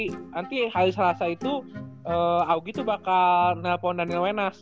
nanti hari selasa itu augi tuh bakal nelpon daniel wenas